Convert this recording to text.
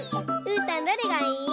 うーたんどれがいい？